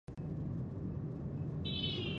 زما زړه نه کېده چې په هغه باندې ډز وکړم